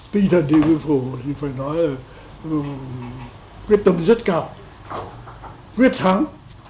tinh thần địa phủ thì phải nói là quyết tâm rất cao quyết thắng